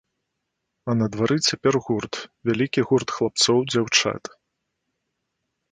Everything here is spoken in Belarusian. А на двары цяпер гурт, вялікі гурт хлапцоў, дзяўчат.